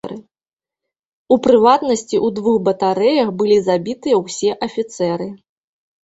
У прыватнасці, у двух батарэях былі забітыя ўсе афіцэры.